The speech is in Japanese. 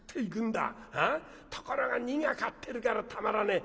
ところが荷が勝ってるからたまらねえ。